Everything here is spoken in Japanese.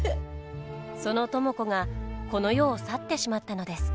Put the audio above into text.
その知子がこの世を去ってしまったのです。